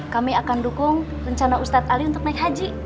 kami akan dukung rencana ustadz ali untuk naik haji